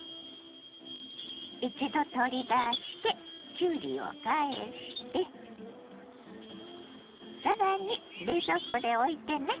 一度取り出してきゅうりを返して更に冷蔵庫でおいてね。